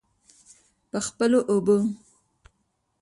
په خپلو اوبو.